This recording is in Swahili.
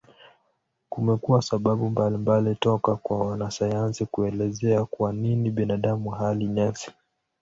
Kumekuwa sababu mbalimbali toka kwa wanasayansi kuelezea kwa nini binadamu hali nyasi.